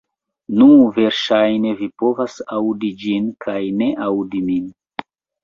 Nu, verŝajne vi povas aŭdi ĝin kaj ne aŭdi min.